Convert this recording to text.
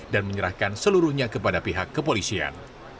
dan menyerahkan seluruhnya kepada pihak kepolisian